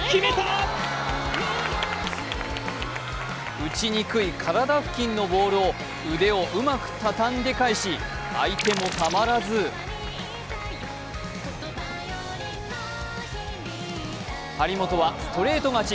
打ちにくい体付近のボールを腕をうまく畳んで返し、相手もたまらず張本はストレート勝ち。